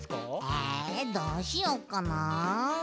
えどうしよっかな？